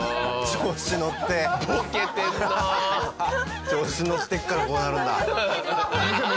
調子にのってるからこうなるんだ。